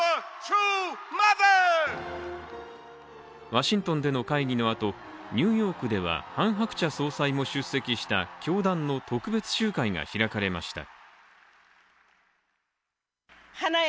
ワシントンでの会議の後、ニューヨークでは、ハン・ハクチャ総裁も出席した教団の特別集会が開かれました。